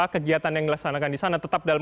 kegiatan yang dilaksanakan di sana tetap dalam